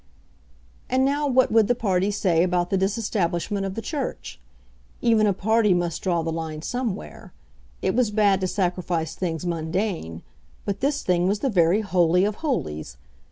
And now what would the party say about the disestablishment of the Church? Even a party must draw the line somewhere. It was bad to sacrifice things mundane; but this thing was the very Holy of Holies!